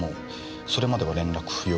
「それまでは連絡不要。